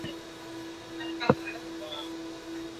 阿辉先生受陶之托将陶的诗稿和年轻时的相片交给建安。